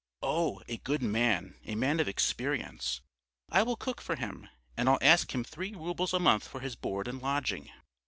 "Oh, a good man, a man of experience. I will cook for him. And I'll ask him three roubles a month for his board and lodging."